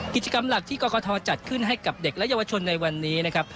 กิจกรรมหลักที่กรกฐจัดขึ้นให้กับเด็กและเยาวชนในวันนี้นะครับ